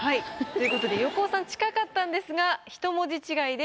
という事で横尾さん近かったんですが一文字違いで。